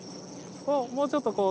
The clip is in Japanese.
もうちょっとこう。